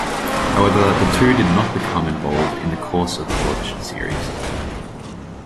However, the two did not become involved in the course of the television series.